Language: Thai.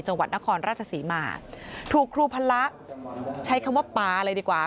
จังหวัดนครราชศรีมาถูกครูพละใช้คำว่าป๊าเลยดีกว่า